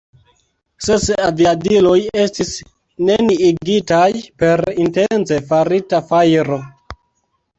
Ses aviadiloj estis neniigitaj per intence farita fajro.